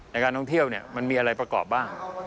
ในการท่องเที่ยวมันมีอะไรประกอบบ้าง